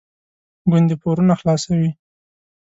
ګوندې پورونه خلاصوي.